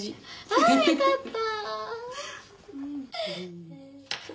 ああよかった！